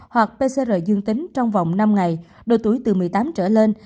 hoặc pcr dương tính trong vòng năm ngày độ tuổi từ một mươi tám trở lên